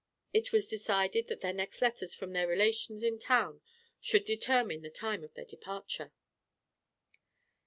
It was decided that their next letters from their relations in town should determine the time of their departure.